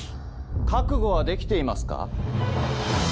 覚悟はできていますか？